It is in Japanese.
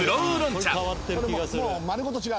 「もう丸ごと違う。